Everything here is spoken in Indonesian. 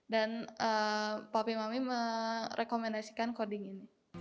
dan papi mami merekomendasikan koding ini